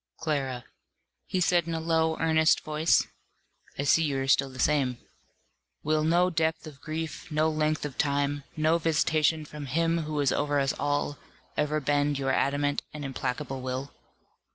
"Clara," he said in a low, earnest voice, "I see you are still the same. Will no depth of grief, no length of time, no visitation from Him who is over us all, ever bend your adamant and implacable will?"